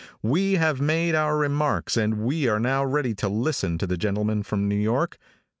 We have made our remarks, and we are now ready to listen to the gentleman from New York.